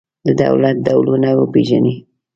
د دولت ډولونه وپېژنئ.